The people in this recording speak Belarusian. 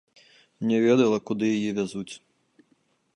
Не ведала, куды яе вязуць.